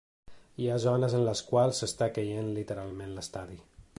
Hi ha zones en les quals està caient literalment l’estadi.